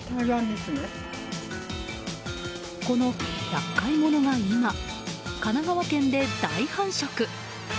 この厄介者が今、神奈川県で大繁殖。